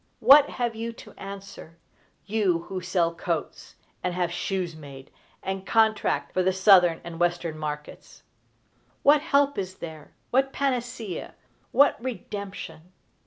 What have you to answer, you who sell coats, and have shoes made, and contract for the Southern and Western markets? What help is there, what panacea, what redemption?